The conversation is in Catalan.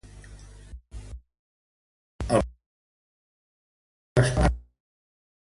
Al principi de la seua estada a la ciutat tot anava de meravella.